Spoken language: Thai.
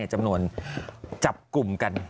จำนวนจับกลุ่มกัน